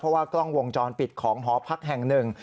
เพราะว่ากล้องวงจรปิดของหอพักแห่งหนึ่ง